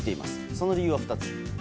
その理由は２つ。